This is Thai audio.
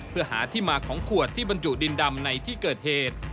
เพื่อหาที่มาของขวดที่บรรจุดินดำในที่เกิดเหตุ